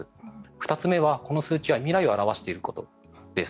２つ目はこの数字は未来を表していることです。